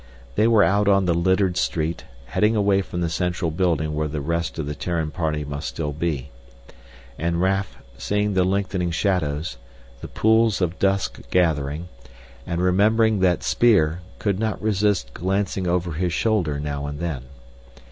They were out on the littered street, heading away from the central building where the rest of the Terran party must still be. And Raf, seeing the lengthening shadows, the pools of dusk gathering, and remembering that spear, could not resist glancing back over his shoulder now and then.